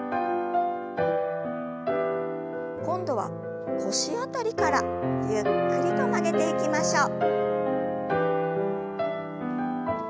今度は腰辺りからゆっくりと曲げていきましょう。